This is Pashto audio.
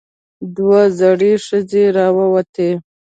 دوه زړې ښځې راووتې.